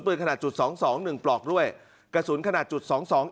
ขนาดจุดสองสองหนึ่งปลอกด้วยกระสุนขนาดจุดสองสอง